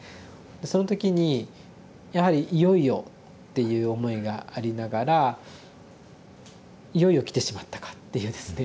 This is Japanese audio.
その時にやはり「いよいよ」っていう思いがありながら「いよいよ来てしまったか」っていうですね